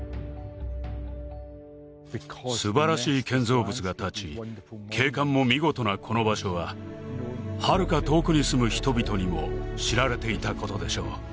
素晴らしい建造物がたち景観も見事なこの場所ははるか遠くに住む人々にも知られていたことでしょう